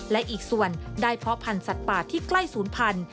และอีกส่วนได้เพาะพันธุ์สัตว์ป่าที่ใกล้ศูนย์พันธุ